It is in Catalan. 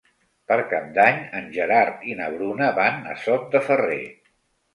Per Cap d'Any en Gerard i na Bruna van a Sot de Ferrer.